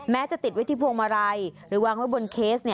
จะติดไว้ที่พวงมาลัยหรือวางไว้บนเคส